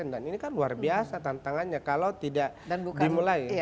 dan ini kan luar biasa tantangannya kalau tidak dimulai